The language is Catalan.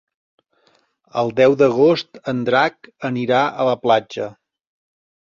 El deu d'agost en Drac anirà a la platja.